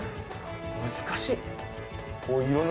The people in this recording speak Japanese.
難しい。